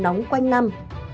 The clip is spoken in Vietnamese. nóng quanh năm